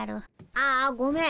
ああごめん。